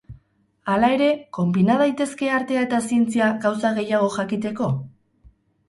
Hala ere, konbina daitezke artea eta zientzia gauza gehiago jakiteko?